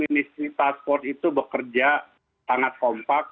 pertama adalah multiminisial task force itu bekerja sangat kompak